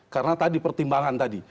karena tadi pertimbangan tadi